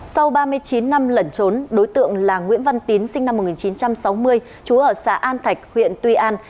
sau ba mươi chín năm lẩn trốn đối tượng là nguyễn văn tín sinh năm một nghìn chín trăm sáu mươi chú ở xã an thạch huyện tuy an